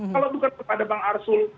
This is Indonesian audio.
kalau bukan kepada bang arsul